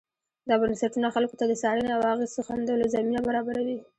دا بنسټونه خلکو ته د څارنې او اغېز ښندلو زمینه برابروي.